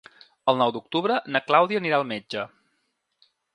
El nou d'octubre na Clàudia anirà al metge.